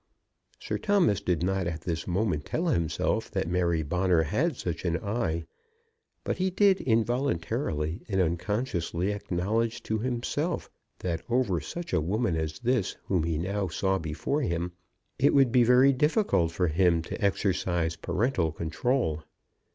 Sir Thomas did not at this moment tell himself that Mary Bonner had such an eye, but he did involuntarily and unconsciously acknowledge to himself that over such a young lady as this whom he now saw before him, it would be very difficult for him to exercise parental control.